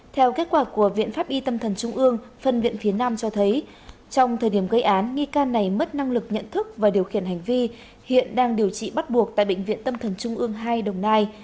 theo kết quả của viện pháp y tâm thần trung ương phân viện phía nam cho thấy trong thời điểm gây án nghi can này mất năng lực nhận thức và điều khiển hành vi hiện đang điều trị bắt buộc tại bệnh viện tâm thần trung ương hai đồng nai